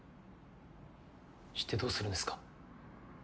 知ってどうするんですか？